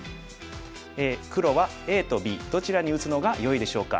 黒はＡとＢどちらに打つのがよいでしょうか。